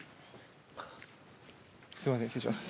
すいません失礼します。